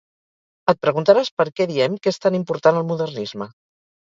Et preguntaràs per què diem que és tan important el modernisme.